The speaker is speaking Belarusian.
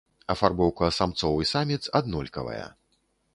Афарбоўка самцоў і саміц аднолькавая.